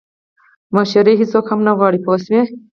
مشورې هیڅوک هم نه غواړي پوه شوې!.